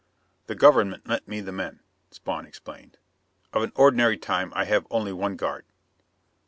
"The government lent me the men," Spawn explained. "Of an ordinary time I have only one guard."